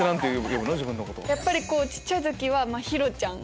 やっぱり小っちゃい時は「ひろちゃん」。